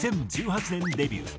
２０１８年デビュー。